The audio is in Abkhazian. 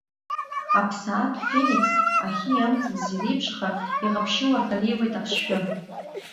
Аԥсаатә Феникс, ахьи амцабзи иреиԥшха, иҟаԥшьуаркалеиуеит аԥшшәы.